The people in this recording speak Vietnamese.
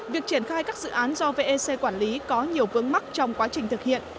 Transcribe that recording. việc triển khai các dự án do vec quản lý có nhiều vướng mắt trong quá trình thực hiện